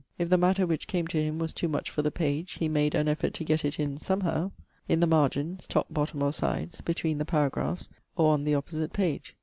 If the matter which came to him was too much for the page, he made an effort to get it in somehow, in the margins (top, bottom, or sides), between the paragraphs, or on the opposite page.